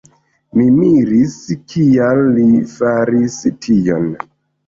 Mi miris, kial li faris tion.